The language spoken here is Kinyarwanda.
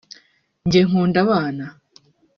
Njye nkunda abana